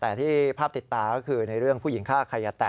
แต่ที่ภาพติดตาก็คือในเรื่องผู้หญิงฆ่าขยะแตะ